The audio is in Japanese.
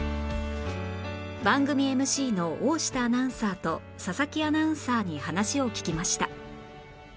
番組 ＭＣ の大下アナウンサーと佐々木アナウンサーに話を聞きました